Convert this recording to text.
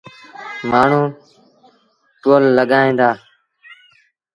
مآڻهوٚݩ ٽوئيل لڳائيٚݩ دآ۔